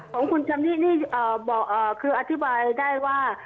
ของคุณจำนี่นี่คืออธิบายได้ว่า